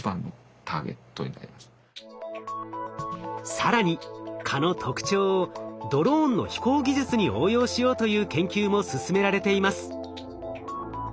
更に蚊の特徴をドローンの飛行技術に応用しようという研究も進められています。